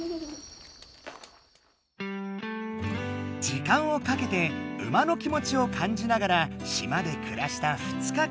時間をかけて馬の気持ちをかんじながら島で暮らした２日間。